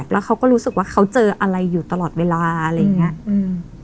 แล้วเขาก็รู้สึกว่าเขาเจออะไรอยู่ตลอดเวลาอะไรอย่างเงี้ยอืม